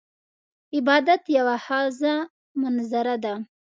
عبادت یوه خاضه منظره ده .